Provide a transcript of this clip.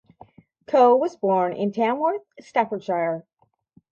Coe was born in Tamworth, Staffordshire.